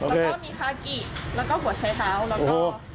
แล้วก็มีคากิแล้วก็หัวใช้เท้าแล้วก็